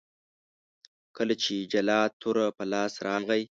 کله چې جلات توره په لاس راغی.